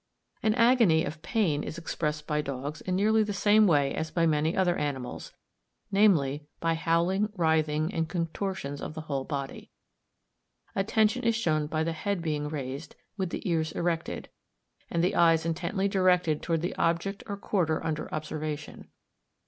An agony of pain is expressed by dogs in nearly the same way as by many other animals, namely, by howling writhing, and contortions of the whole body. Attention is shown by the head being raised, with the ears erected, and eyes intently directed towards the object or quarter under observation.